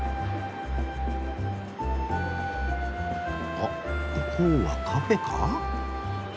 あっ向こうはカフェか？